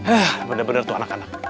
eh bener bener tuh anak anak